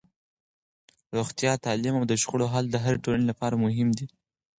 روغتیا، تعلیم او د شخړو حل د هرې ټولنې لپاره مهم دي.